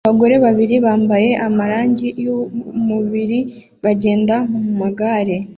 Abagore babiri bambaye amarangi yumubiri bagenda mumagare